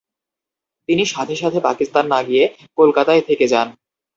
তিনি সাথে সাথে পাকিস্তান না গিয়ে কলকাতায় থেকে যান।